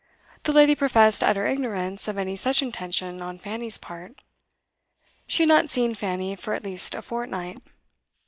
The lady professed utter ignorance of any such intention on Fanny's part. She had not seen Fanny for at least a fortnight.